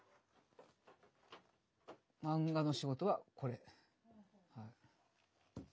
漫画の仕事はこれ。